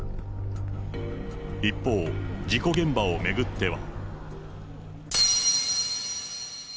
一方、事故現場を巡っては。